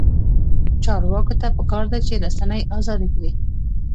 چارواکو ته پکار ده چې، رسنۍ ازادې کړي.